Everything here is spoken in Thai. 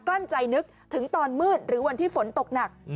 ลั้นใจนึกถึงตอนมืดหรือวันที่ฝนตกหนัก